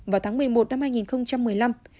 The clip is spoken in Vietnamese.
vào tháng một mươi một năm hai nghìn một mươi năm